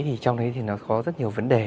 trong đó có rất nhiều vấn đề